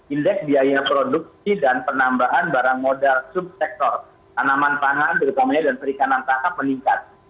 indeks biaya produksi dan penambahan barang modal subsektor tanaman pangan terutamanya dan perikanan tangkap meningkat